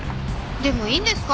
でもいいんですか？